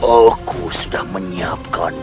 aku sudah menyiapkan